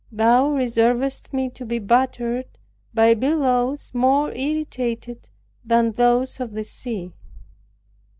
Thou reservest me to be battered by billows, more irritated than those of the sea.